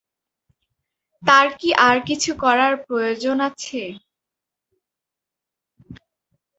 তার কি আর কিছু করার প্রয়োজন আছে?